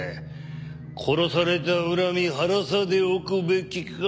殺された恨み晴らさでおくべきか。